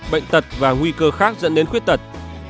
bệnh tật và nguy cơ khác dẫn đến khuyết tật